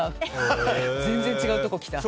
全然違うとこ来た。